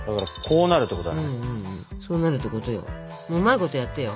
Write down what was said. そうなるってことよ。